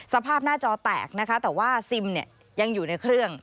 สภาพหน้าจอแตกนะคะแต่ว่าซิมเนี่ยยังอยู่ในเครื่อง